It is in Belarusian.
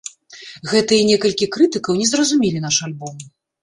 Гэтыя некалькі крытыкаў не зразумелі наш альбом.